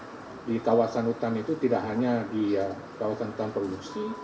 dan kemudian terungkap di kawasan hutan itu tidak hanya di kawasan hutan produksi